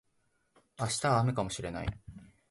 明日は雨かもしれない